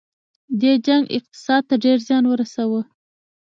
دې جنګ اقتصاد ته ډیر زیان ورساوه.